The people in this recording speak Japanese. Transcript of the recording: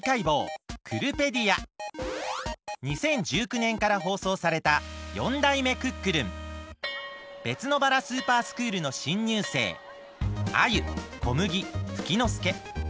２０１９年から放送されたべつのばらスーパースクールのしんにゅうせいアユコムギフキノスケ。